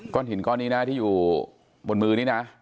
หินก้อนนี้นะที่อยู่บนมือนี้นะ